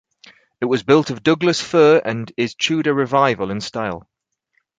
It was built of Douglas fir and is Tudor Revival in style.